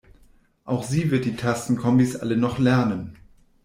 Auch sie wird die Tastenkombis alle noch lernen.